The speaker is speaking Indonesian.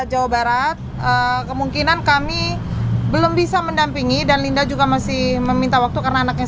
jawa barat kemungkinan kami belum bisa mendampingi dan linda juga masih meminta waktu karena anaknya